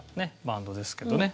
バンドですけどね。